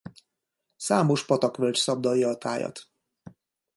Számos patakvölgy szabdalja a tájat.